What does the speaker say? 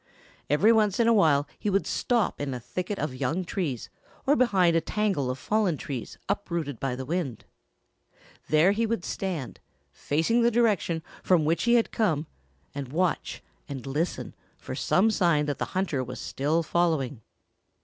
Every once in a while he would stop in a thicket of young trees or behind a tangle of fallen trees uprooted by the wind. There he would stand, facing the direction from which he had come, and watch and listen for some sign that the hunter was still following.